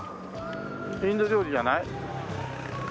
インド料理じゃない？